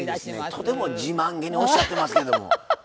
とても自慢げにおっしゃってますけども。